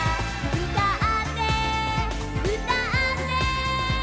「うたってうたって」